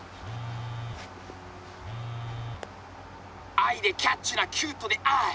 アイでキャッチュなキュートでアイ。